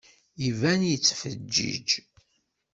Iban-d yettfeǧǧiǧ.